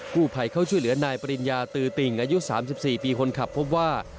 ผู้ภัยเข้าช่วยเหลือนายปริญญาตือติ่งอายุ๓๔ปีคนขับพบว่า